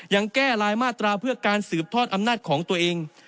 ยังแก้รายมาตราเพื่อการสืบทอดอำนาจของตัวเอง